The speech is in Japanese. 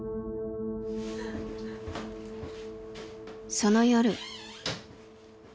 その夜。